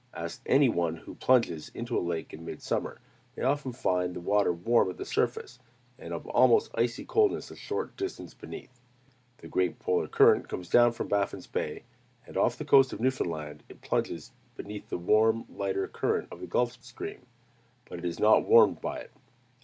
Any one who plunges into a lake in mid summer may often find the water warm at the surface, and of almost icy coldness a short distance beneath. The great Polar current comes down from Baffin's Bay, and off the coast of Newfoundland it plunges beneath the warm, lighter current of the Gulf Stream; but it is not warmed by it.